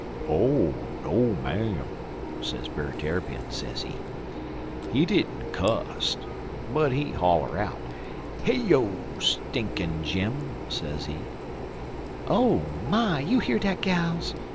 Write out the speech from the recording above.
"'Oh, no, ma'am,' sez Brer Tarrypin, sezee, 'he didn't cusst, but he holler out "Heyo, Stinkin' Jim!"' sezee. "'Oh, my! You hear dat, gals?'